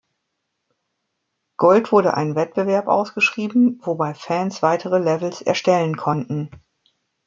Gold wurde ein Wettbewerb ausgeschrieben, wobei Fans weitere Levels erstellen konnten.